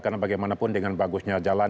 karena bagaimanapun dengan bagusnya jalan